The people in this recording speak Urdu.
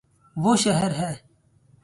وہ شہر ہے